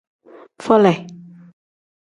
Fole.